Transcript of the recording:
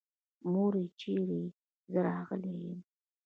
مورې چېرې يې؟ زه راغلی يم.